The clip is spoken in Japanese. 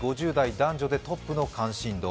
４０代、５０代男女でトップの関心度。